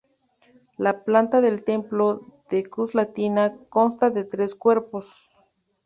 La planta del templo, de cruz latina, consta de tres cuerpos.